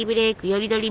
より取り